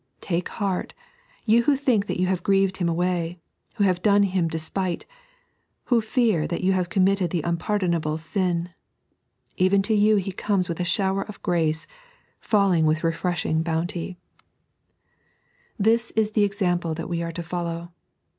Take heart, you who think that you have grieved Him &vre,j, who have done Him despite, who fear that you have committed the unpardonable sin ; even to you He comes with a shower of grace, falling with refreshing bounty. 3.n.iized by Google OuE Model. 97 This is the example that we are to follow.